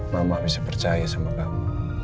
mama bisa percaya sama kamu